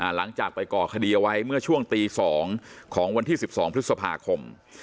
หลังจากไปก่อคดีเอาไว้เมื่อช่วงตี๒ของวันที่๑๒พฤษภาคม